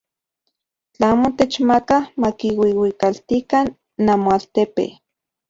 Tla amo techmakaj, makiuiuikaltikan namoaltepe.